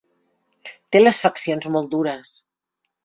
Té les faccions molt dures.